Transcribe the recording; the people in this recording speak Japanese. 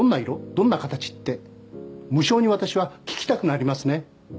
どんな形？って無性に私は聞きたくなりますね